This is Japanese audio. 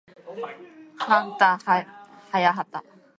はあんたはやはた